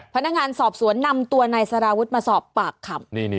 พนักงานสอบสวนนำตัวนายสารวุฒิมาสอบปากคำ